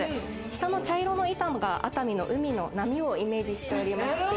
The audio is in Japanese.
下の茶色の板が熱海の海の波をイメージしておりまして。